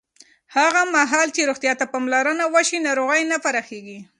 هغه مهال چې روغتیا ته پاملرنه وشي، ناروغۍ نه پراخېږي.